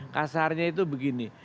kasarnya itu begini